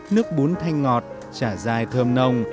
nước bún thanh ngọt chả dài thơm nông